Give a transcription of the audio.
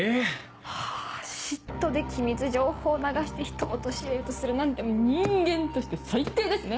ハァ嫉妬で機密情報流してひとを陥れようとするなんて人間として最低ですね！